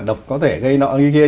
độc có thể gây nọ như kia